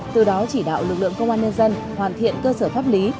từ đó chỉ đạo lực lượng công an nhân dân hoàn thiện cơ sở pháp lý